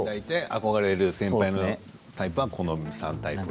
憧れる先輩のタイプはこの３タイプ。